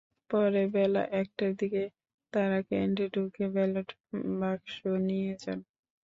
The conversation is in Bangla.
পরে বেলা একটার দিকে তাঁরা কেন্দ্রে ঢুকে ব্যালট বাক্স নিয়ে যান।